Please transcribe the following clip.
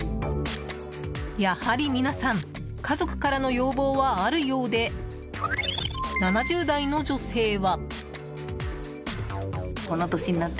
やはり皆さん家族からの要望はあるようで７０代の女性は。